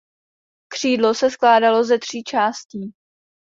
Křídlo se skládalo ze tří částí.